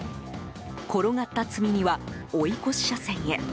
転がった積み荷は追い越し車線へ。